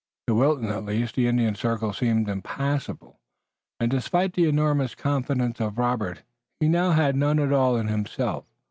To Wilton at least the Indian circle seemed impassable, and despite the enormous confidence of Robert he now had none at all himself.